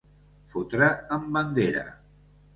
Fotre en bandera.